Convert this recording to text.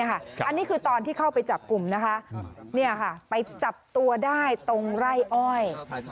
อันนี้คือตอนที่เข้าไปจับกลุ่มนะคะไปจับตัวได้ตรงไร่อ้อย